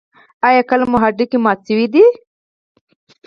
ایا کله مو هډوکی مات شوی دی؟